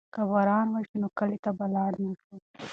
که باران وشي نو کلي ته به لاړ نه شو.